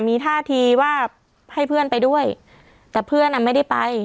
มีท่าทีว่าให้เพื่อนไปด้วยแต่เพื่อนอ่ะไม่ได้ไป